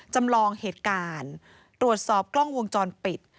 จำลองเหตุการณ์ตรวจสอบกล้องวงจรปิด